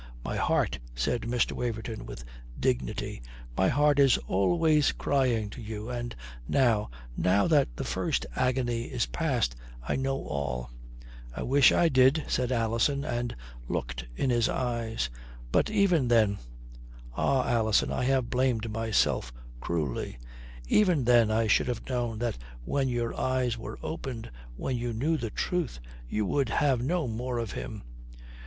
"My heart," said Mr. Waverton with dignity, "my heart is always crying to you. And now now that the first agony is past, I know all." "I wish I did," said Alison and looked in his eyes. "But even then ah, Alison, I have blamed myself cruelly even then I should have known that when your eyes were opened, when you knew the truth, you would have no more of him."